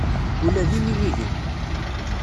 Ula d iminigen.